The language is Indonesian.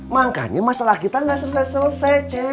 makanya masalah kita gak selesai selesai